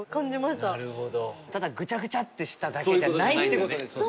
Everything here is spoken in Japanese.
ただぐちゃぐちゃってしただけじゃないってことですね